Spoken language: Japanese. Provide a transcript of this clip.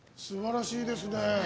すばらしいですね。